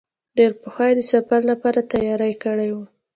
ډېر پخوا یې د سفر لپاره تیاری کړی و.